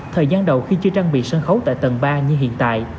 thời gian đầu khi chưa trang bị sân khấu tại tầng ba như hiện tại